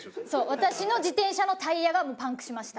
私の自転車のタイヤがパンクしました。